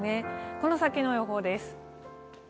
この先の予報です。